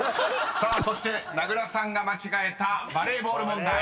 ［そして名倉さんが間違えたバレーボール問題。